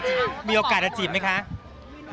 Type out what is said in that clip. ค่อเราก็ลงกับเพื่อน๖๔คนพี่ปอยดก็เหล่านี้